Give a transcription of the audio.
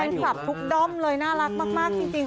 แฟนคลับทุกด้อมเลยน่ารักมากจริง